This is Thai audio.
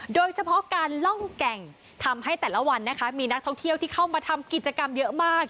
โดยเฉพาะการล่องแก่งทำให้แต่ละวันนะคะมีนักท่องเที่ยวที่เข้ามาทำกิจกรรมเยอะมาก